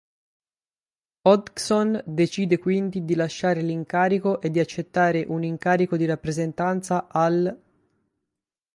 Hodgson decide quindi di lasciare l'incarico e di accettare un incarico di rappresentanza all'.